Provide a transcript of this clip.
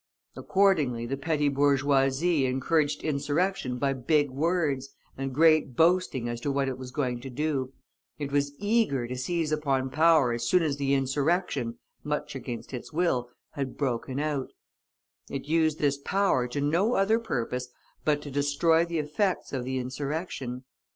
Accordingly the petty bourgeoisie encouraged insurrection by big words, and great boasting as to what it was going to do; it was eager to seize upon power as soon as the insurrection, much against its will, had broken out; it used this power to no other purpose but to destroy the effects of the insurrection.